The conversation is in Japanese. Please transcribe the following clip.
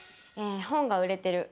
本が売れてる。